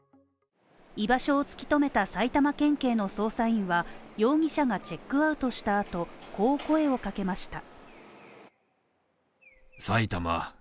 居場所を突き止めた埼玉県警の捜査員は容疑者がチェックアウトした後こう声をかけました。